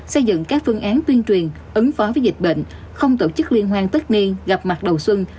xây dựng các phương án tuyên truyền ứng phó với dịch bệnh không tổ chức liên hoan tất niên gặp mặt đầu xuân